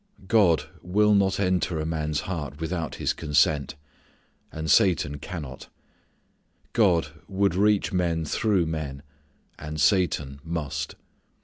God will not enter a man's heart without his consent, and Satan _can_not. God would reach men through men, and Satan must.